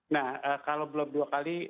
nah kalau belum dua kali